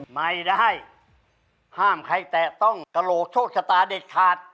ไม่ได้ห้ามใครแตะต้องกระโหลกโชคชะตาเด็ดขาด